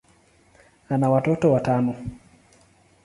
ana watoto watano.